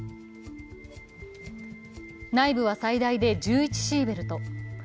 内部は最大で１１シーベルト。